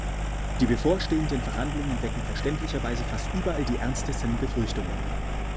Die bevorstehenden Verhandlungen wecken verständlicherweise fast überall die ernstesten Befürchtungen.